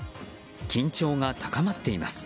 緊張が高まっています。